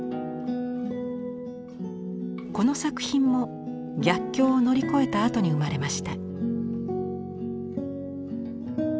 この作品も逆境を乗り越えたあとに生まれました。